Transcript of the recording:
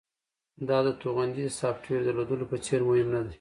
دا د توغندي د سافټویر درلودلو په څیر مهم ندی